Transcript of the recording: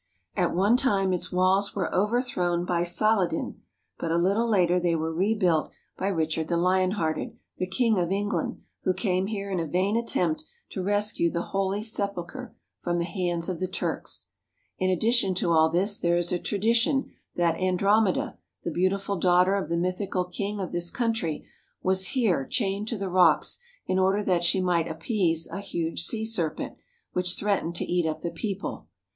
At one time its walls were overthrown by Saladin, but a little later they 17 THE HOLY LAND AND SYRIA were rebuilt by Richard the Lion hearted, the King of England, who came here in a vain attempt to rescue the Holy Sepulchre from the hands of the Turks. In ad dition to all this there is a tradition that Andromeda, the beautiful daughter of the mythical king of this country, was here chained to the rocks in order that she might appease a huge sea serpent which threatened to eat up the people.